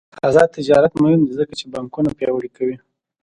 آزاد تجارت مهم دی ځکه چې بانکونه پیاوړي کوي.